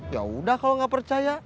yaudah kalau gak percaya